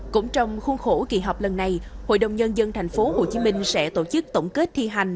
cũng trong khuôn khổ kỳ họp lần này hội đồng nhân dân thành phố hồ chí minh sẽ tổ chức tổng kết thi hành